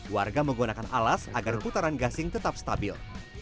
warga menggunakan alas agar putaran gasing tetap stabil